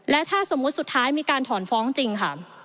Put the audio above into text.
และถ้าสมมุติสุดท้ายมีการถอนฟ้องจริงค่ะ